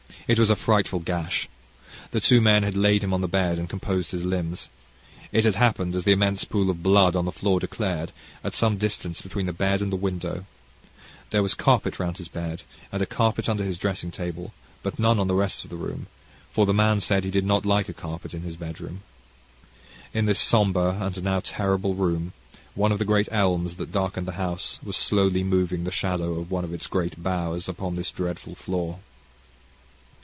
It was a frightful gash. The two men had laid him on the bed, and composed his limbs. It had happened, as the immense pool of blood on the floor declared, at some distance between the bed and the window. There was carpet round his bed, and a carpet under his dressing table, but none on the rest of the floor, for the man said he did not like a carpet on his bedroom. In this sombre and now terrible room, one of the great elms that darkened the house was slowly moving the shadow of one of its great boughs upon this dreadful floor.